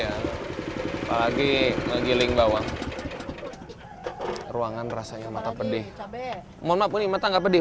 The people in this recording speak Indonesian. apa lagi menggiling bawang ruangan rasanya mata pedih mau ngapain ini mata enggak pedih